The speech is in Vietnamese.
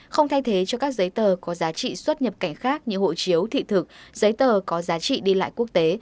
không thay thế cho các giấy tờ có giá trị xuất nhập cảnh khác như hộ chiếu thị thực giấy tờ có giá trị đi lại quốc tế